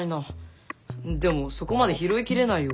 でもそこまで拾いきれないよ。